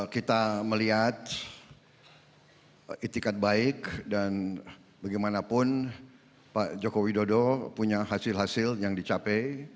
kita melihat itikat baik dan bagaimanapun pak joko widodo punya hasil hasil yang dicapai